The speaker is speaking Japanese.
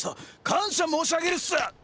感謝申し上げるっす！